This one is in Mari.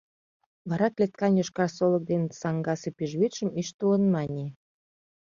Вара клеткан йошкар солык дене саҥгасе пӱжвӱдшым ӱштылын мане: